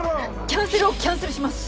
キャンセルをキャンセルします。